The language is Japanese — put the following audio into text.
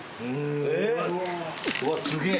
うわっすげえ。